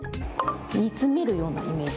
煮詰めるようなイメージ。